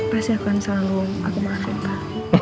pasti akan selalu aku maafin pak